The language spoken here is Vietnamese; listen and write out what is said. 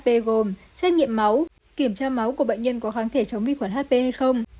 vi khuẩn hp gồm xét nghiệm máu kiểm tra máu của bệnh nhân có kháng thể chống vi khuẩn hp hay không